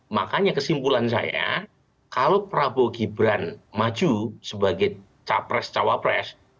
makanya kesimpulan saya kalau prabowo gibran maju sebagai capres cawapres